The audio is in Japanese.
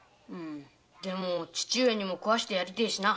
でも父上にも喰わせてやりてえしな。